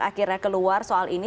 akhirnya keluar soal ini